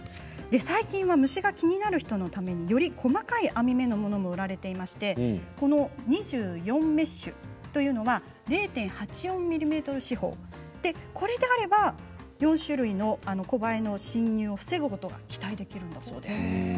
最近は虫が気になる人のためにより細かい網目のものも売られていまして２４メッシュというものは０．８４ｍｍ四方これであれば４種類のコバエの侵入を防ぐことが期待できるんだそうです。